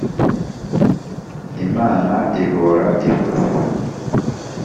Imana ihora ihoze.